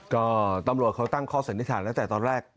ก็ตำรวจเขาตั้งข้อสันนิษฐานตั้งแต่ตอนแรก